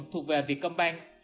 thuộc về vietcombank